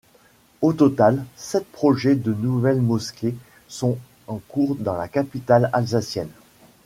Au total, sept projets de nouvelles mosquées sont en cours dans la capitale alsacienne.